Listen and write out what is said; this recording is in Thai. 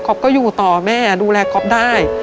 ก็อยู่ต่อแม่ดูแลก๊อฟได้